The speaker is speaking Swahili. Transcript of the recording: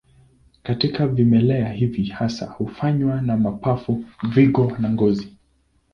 Katika vimelea hii hasa hufanywa na mapafu, figo na ngozi.